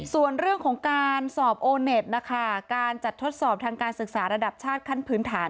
ส่วนเรื่องของการสอบโอเน็ตนะคะการจัดทดสอบทางการศึกษาระดับชาติขั้นพื้นฐาน